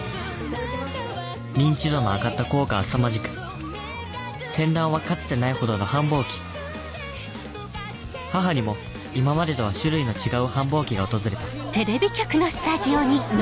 認知度の上がった効果はすさまじく船団はかつてないほどの繁忙期母にも今までとは種類の違う繁忙期が訪れたお疲れさまでした。